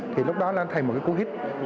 thì lúc đó là thay một cái cú hít